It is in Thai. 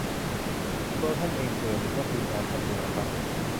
ตัวท่านเองเบื่อ หรือว่า ทีมงาน ท่านเบื่อครับ ?